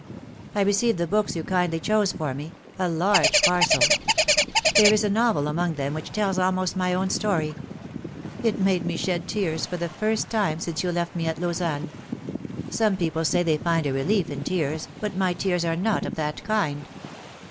" I received the books you kindly chose for me, a large parcel. There is a novel among them which tells almost my own story. It made me shed tears for the firtst time since you left me at Lausanne. Some people say they find a relief in tears, but my tears are not of that kind.